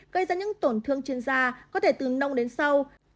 gây ra những tổn thương trên da có thể từ nông đến sau